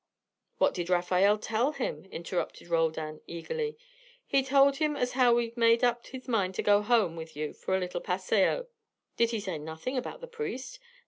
"What did Rafael tell him?" interrupted Roldan, eagerly. "He told him as how he had made up his mind to go home with you for a little paseo " "Did he say nothing about the priest?"